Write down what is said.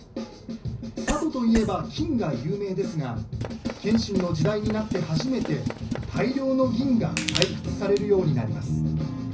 佐渡と言えば金が有名ですが謙信の時代になって初めて大量の銀が採掘されるようになります。